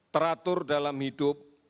teratur dalam hidup